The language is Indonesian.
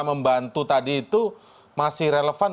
membantu tadi itu masih relevan